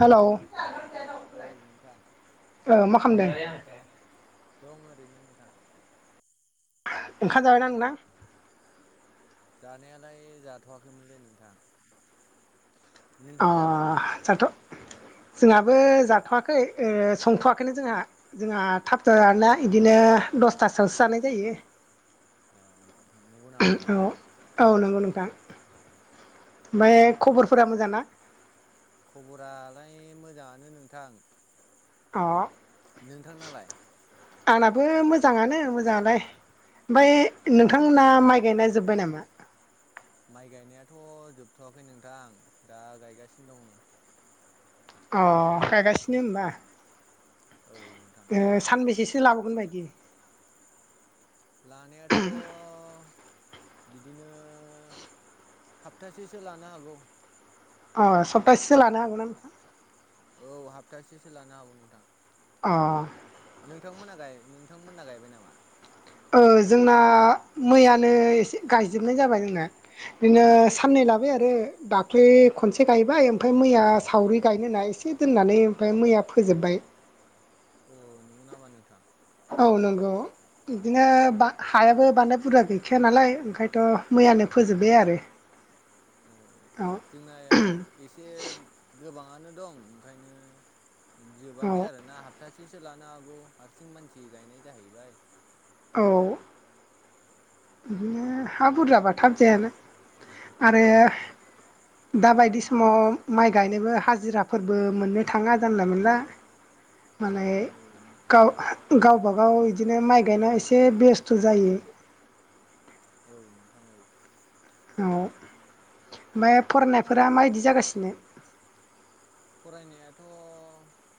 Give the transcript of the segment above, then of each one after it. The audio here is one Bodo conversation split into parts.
हेल'। मा औ नोंथां खालामदों। दं ओरैनो नोंथां। ओंखाम जाबायना नोंथां। जानायालाय जाथ'वाखैमोनलै नोंथां। अ नोंथाङा जाबाय रात। जोंहाबो जाथ'वाखै संथ'वाखैनो जोंहा जोंहा थाब जाया आरोना बिदिनो। दसथासोआवसो जानाय जायो। ओ नोंथां नंगौ नामा औ औ नंगौ। ओमफ्राय खबरफोरा मोजां ना। खबरालाय मोजाङानो नोंथां। अ। नोंथांनालाय। आंनाबो मोजाङानो मोजाङालाय। ओमफ्राय अ नोंथांमोना माइ गायना जोब्बाय नामा। माइ गायनायाथ' जोबथ'वाखै नोंथां दा गायगासिनो दं। अ गायगासिनो होनबा औ नोंथां सानबेसे। लाबोगोन बायदि। लानायाथ'। बिदिनो सप्तासेसो लानो हागौ। अ सप्तासेसो लानो हागौ नों। औ सफ्तासेसो लानो हागौ नोंथां। अ। नोंथांमोना नोंथांमोनना गायबाय नामा। औ जोंना मैयानो एसे गायजोबनाय जाबाय जोंना। बिदिनो अ साननै लाबाय आरो द। दाख्लोय खनसे गायबाय ओमफ्राय मैया सावरि गायनो ना एसे दोननानै ओमफ्राय मैया फोजोबबाय। अ। अ नंगौ नामा नोंथां। औ नंगौ। बिदिनो हायाबो बानदाय बुरजा गैखाया नालाय ओंखायनोथ' मैयानो फोजोब्बाय आरो। अ औ जोंना एसे गोबाङानो दं ओंखायनो। औ जोबाखै आरो ना हप्तासेसो लानो हागौ हारसिं मानसि गायनाय जाहैबाय। औ। बिदिनो हा बुरजाबा थाब जायानो आरो। औ दा बायदि समाव माइ गायनोबो हाजिराफोरबो मोननो थाङा जानला मोनला। माने। औ गाव गावबागाव बिदिनो माइ गायनाय एसे बेस्थ' जायो। [inaudible] औ ओमफाय फरायनायफोरा माबायदि जागासिनो। फरायनायाथ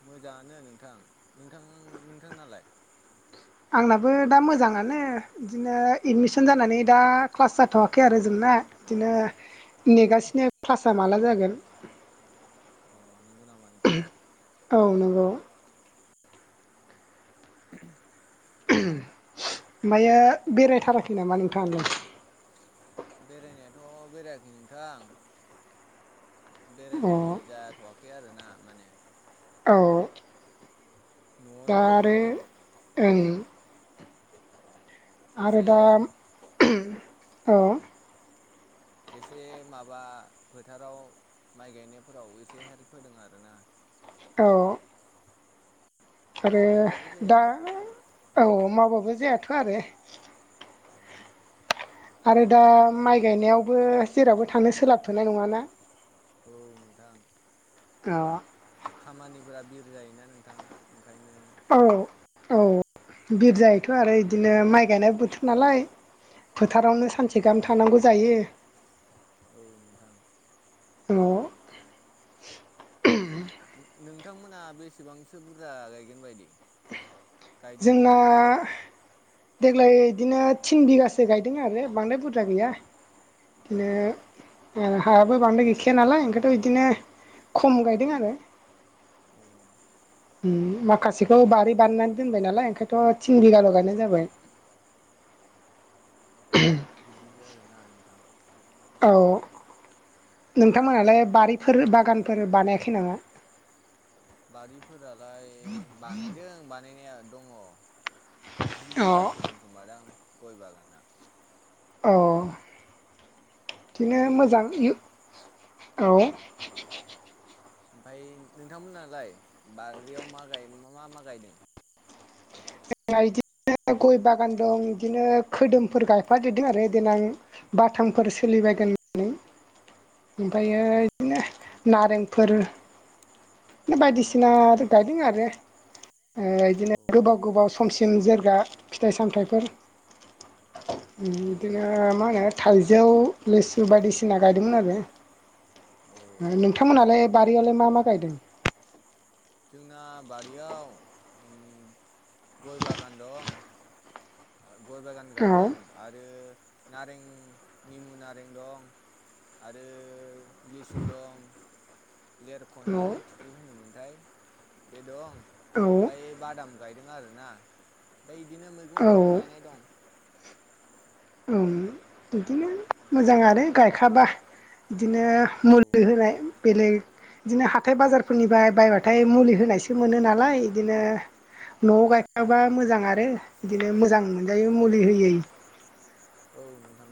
मोजाङानो नोंथां नोंथां नोंथांनालाय। [inaudible] आंनाबो दा मोजाङानो इदिनो एडमिसन जानानै दा क्लास जाथवाखै आरो जोंना। इदिनो नेगासिनो क्लासा माला जागोन। अ नंगौ नामा नोंथां। औ नंगौ। [unintelligible] ओमफायो बेरायथाराखै नामा नोंथाङालाय। बेरायनायाथ बेरायाखै नोंथां अ बेरायनाय जाथवाखै आरोना माने अ दा न'आवनो दं आरो ओं आरो एसे दा अ एसे माबा फोथाराव माइ गायनायफोराव एसे हेल्प होदों आरोना अ आरो मावाबाबो जाया दा औ मावबाबो जायाथ आरो आरो दा माइ गायनायावबो जेरावबो थांनो सोलाबथनाय नङाना औ नोंथां अ खामानिफोरा बिर जायोना नोंथां ओंखायनो औ औ बिर जायोैथ आरो इदिनो माइ गायनाय बोथोर नालाय फोथारावनो सानसे गाहाम थानांगौ जायो औ नोंथां औ नोंथांमोना बेसेबांसो बुरजा गायगोन बायदि? गायदों जोंना बायदि देग्लाय इदिनो थिन बिगासो गायदों आरो बांद्राय बुरजा गैया आ इदिनो ओ हायाबो बांद्राय गैखाया नालाय ओंखायथ इदिनो खम गायदों आरो अ ओम माखासेखौ बारि बानायनानै दोनबाय नालाय ओंखायथ थिन बिघाल गायनाय जाबाय [inaudible] इदिसो आरोना नोथां औ नोंथांमोनहालाय बारिफोर बागानफोर बानायाखै नामा बारिफोरालाय बानायदों बानायनाया दङ जि अ बिगासो दंखोमा दां गय बागाना अ बिदिनो मोजां उन ओमफ्राय औ ओमफाय नोंथांमोनहालाय बारियाव मा गाय मा मा गायदों? [unintelligible] गय बागान दं इदिनो खोदोमफोर गायफादेरदों आरो देनां बाथामफोर सोलिबायगोन नै ओमफायो इदिनो नारेंफोर बायदिसिना गायदों आरो ओ इदिनो औ गोबाव गोबाव समसिम जोरगा फिथाइ सामथायाइफोर ओम नंगौ इदिनो नामा नोंथां मा होनो थाइजौ लिसु बायदिसिना गायदोंमोन आरो अ नोंथांमोनहालाय बारियावलाय मा मा गायदों? जोंना बारियाव गय ओम बागान दं आ गय बागान गायदों औ आरो नारें निमु नारें दं आरो लिसु दं लेरखना लिथुखौ होनोमोनथाय बे दं औ ओमफ्राय बादाम गायदों आरोना। ओमफ्राय बिदिनो मैगं औ थाइगं औ गायनाय दं। औ बिदिनो मोजां आरो गायखाबा बिदिनो औ मुलि होनाय बेलेग बिदिनो हाथाय बाजारफोरनिफ्राय बायबाथाय मुलि होनायसो मोनो नालाय बिदिनो न'आव गायखाबा मोजां आरो बिदिनो मोजां मोनजायो मुलि होयै।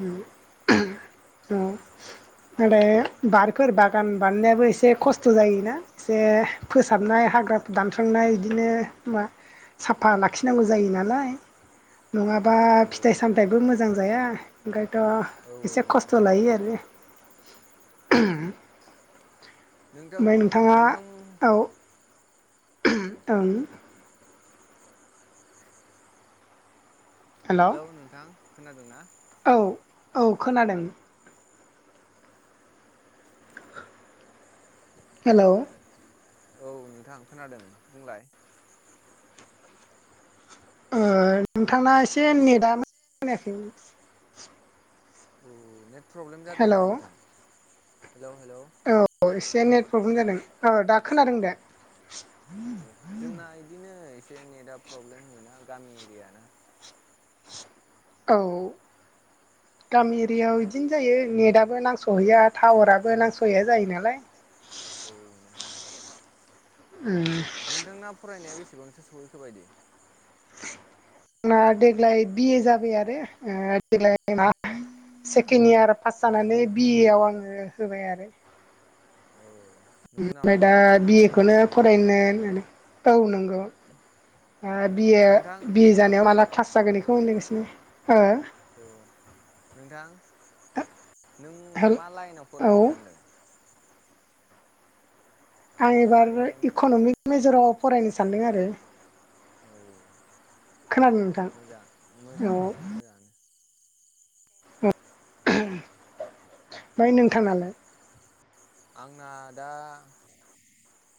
औ औ। आरो बारखोर बागान बानायनायाबो एसे खस्थ' जायोना एसे औ फोसाबनाय नोंथां हाग्राफोर दानस्रांनाय बिदिनो मा साफा लाखिनांगौ जायो नालाय। नङाबा औ औ फिथाइ नोंथां सामथायाइबो मोजां जाया ओंखाय औ थ' औ एसे खस्थ' नोंथां लायो आरो। नोंथां ओमफ्राय नोंथां ओं। हेलौ नोंथां खोनादोंना? औ औ खोनादों। हेलौ। औ नोंथां खोनादों बुंलाय। ओ नोंथांना एसे नेटआ मोजां खोनायाखै औ नेट प्रब्लेम जादों हेल' नामा नोंथां। हेलौ हेलौ औ एसे नेट प्रब्लेम जादों औ दा खोनादों दे। औ जोंना इदिनो एसे नेटआ प्रब्लेम होयोना गामि एरिया ना। औ। गामि एरियायाव बिदिनो जायो नेटआबो नांस'हैया टावाराबो नांस'हैया जायो नालाय। औ नोंथां। नोंथांना फरायनाया बेसेबांसो सहैखो बायदि। ना देग्लाय बिए जाबाय आरो देग्लाय ना। सेकेन्ड इयार पास जानानै बिए आव आङो होबाय आरो। अ नंगौ नामा ओमफ्राय दा नोंथां बिए खौनो फरायनो औ नोंगौ। बिए नोंथां बिए जानायाव माला क्लास जागोन बेखौ नेनसै। अ नोंथां। नों हेल मा लाइनाव औ फरायनो सानदों? आं एबार माने इक'न'मिक मेजराव फरायनो सानदों आरो। औ खोनादों नोंथां औ मोजां मोजाङानो नोंथां मोजाङानो। ओमफ्राय नोंथांनालाय? आंना दा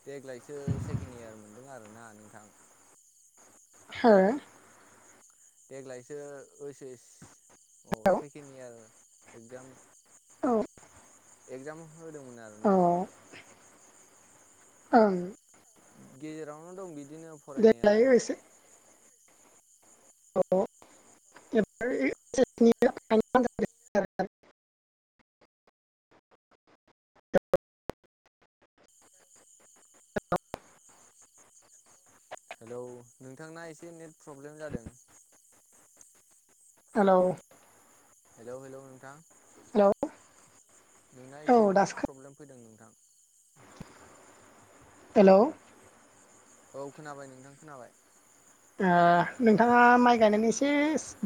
देग्लायसो सेकेणड इयार मोनदों आरोना नोंथां। हो? देग्लायसो ओइस एस औ सेकेण्ड इयार एगजाम औ। एगजाम होदोंमोन औ आरोना। ओं। गेजेरावनो दं बिदिनो देग्लाय फरायनायालाय। एसे [unintelligible] [unintelligible] [unintelligible] [unintelligible] हेलौ नोंथांना एसे नेट प्रब्लेम जादों। हेलौ। हेलौ हेलौ नोंथां हेलौ नोंना औ एसे दासो नेट खोना प्रब्लेम फैदों नों हेलौ। औ खोनाबाय नोंथां खोनाबाय। ओ नोंथाङा माइ गायनायनि एसे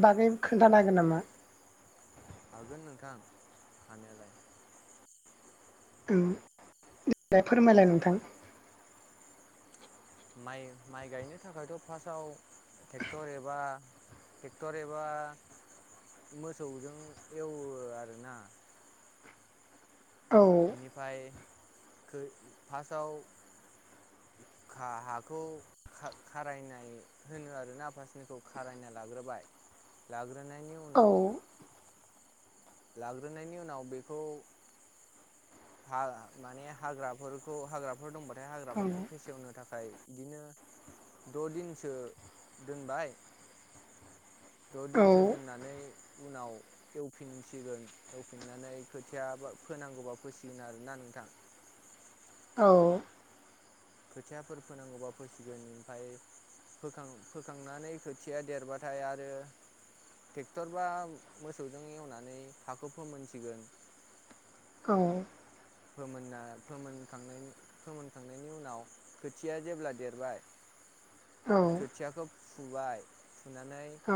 बागै खोन्थानो हागोन नामा? हागोन नोंथां हानायालाय। दे फोरमायलाय नोंथां। माइ माइ गायनो थाखायथ' फार्स्टआव ट्रेक्टर एबा ट्रेक्टर एबा मोसौजों एवो आरोना। औ बेनिफ्राय फार्स्टआव हाखौ खारायनाय होनो आरोना आफासनिखौ खारायनाय। लाग्रोबाय लाग्रोनायनि औ उनाव [inaudible] लाग्रोनायनि उनाव बेखौ ह माने हाग्राफोरखौ हाग्राफोर दंबाथाय औ हाग्राफोरखौ फेसेवनो थाखाय [inaudible] थाखाय बिदिनो द दिनसो दोनबाय। [inaudible] द औ दिनसो दोननानै उनाव एवफिनसिगोन एवफिननानै खोथियाा फोनांगौबा फोसिगोन आरोना। नोंथां। [inaudible] औ। खोथियाफोर फोनांगौबा फोसिगोन ओमफाय फोखां-फोखांनानै खोथिया देरबाथाय आरो ट्रेक्टर बा मोसौजों एवनानै हाखौ फोमोनसिगोन। औ। फोमोनना फोनखां फोमोनखांनायनि उनाव खोथिया जेब्ला देरबाय [inaudible] खोथियाखौ फुबाय फुनानै औ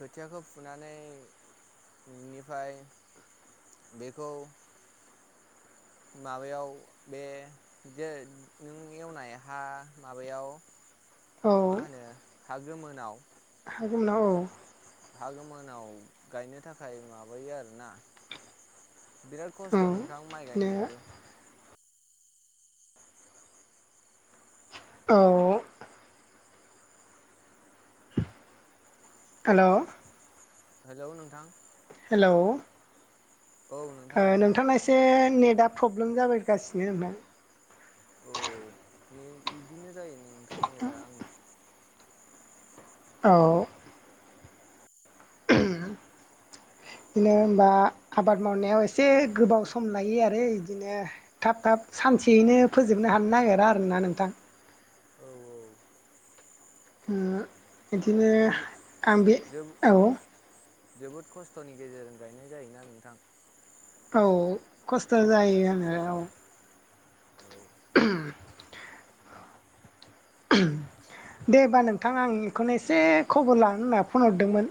खोथियाखौ फुनानै नोंनिफ्राय बेखौ माबायाव बे ज नों एवनाय हा माबायाव औ मा होनो हा गोमोनाव हा गोमोनाव औ। हा गो मोनाव गायनो थाखाय माबायो आरो ना। बिराद खस्थ नोंथां माइ बिदिनो गायनायाबो। औ। हेलौ। हेलौ नोंथां। हेलौ औ नोंथां ओ बुं नोंथाङा एसे नेट दा प्रब्लेम जाबायगासिनो आंना। औ ने बिदिनो जायो नोंथां नेदा आंना। औ। बिदिनो होनबा आबाद मावनायाव एसे गोबाव सम लायो आरो इदिनो थाब थाब सानसेयैनो फोजोबनो हानो नागिरा आरोना नोंथां। औ औ। ओ बिदिनो जोबो आं बे जोबो औ। जोबोद खस्थनि गेजेरजों गायनाय जायोना नोंथां। औ खस्थ जायो आङो औ। औ [inaudible] ओहोम दे हबा नोंथां आं बेखौनो एसे खबर लानो होनना फन हरदोंमोन।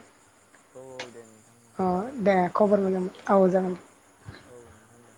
औ औ दे नोंथां औ अ जागोन दे खबर मोजां औ जागोन दे। औ नोंथां दे